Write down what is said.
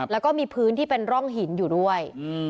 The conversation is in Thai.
แล้วก็มีพื้นที่เป็นร่องหินอยู่ด้วย